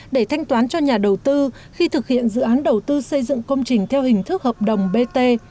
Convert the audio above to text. để thanh toán cho nhà đầu tư khi thực hiện dự án đầu tư xây dựng công trình theo hình thức hợp đồng bt